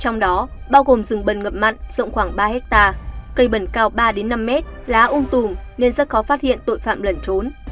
trong đó bao gồm rừng bần ngập mặn rộng khoảng ba hectare cây bần cao ba năm mét lá ôm tùm nên rất khó phát hiện tội phạm lẩn trốn